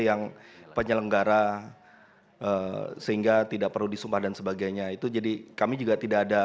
yang penyelenggara sehingga tidak perlu disumpah dan sebagainya itu jadi kami juga tidak ada